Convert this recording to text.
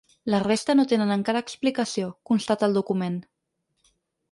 “La resta no tenen encara explicació”, constata el document.